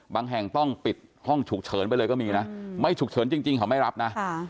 แห่งต้องปิดห้องฉุกเฉินไปเลยก็มีนะไม่ฉุกเฉินจริงเขาไม่รับนะ